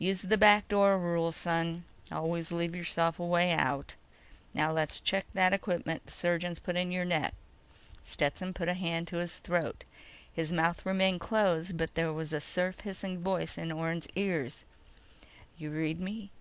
"Use the back door rule, son. Always leave yourself a way out. Now ... let's check that equipment the surgeons put in your neck." Stetson put a hand to his throat. His mouth remained closed, but there was a surf hissing voice in Orne's ears: "You read me?"